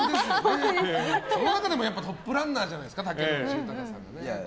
その中でもトップランナーじゃないですか。